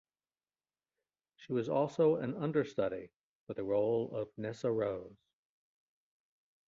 She was also an understudy for the role of Nessarose.